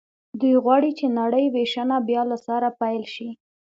دوی غواړي چې نړۍ وېشنه بیا له سره پیل شي